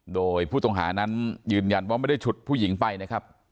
โดยผู้ต้องหานั้นยืนยันว่าไม่ได้ฉุดผู้หญิงไปนะครับ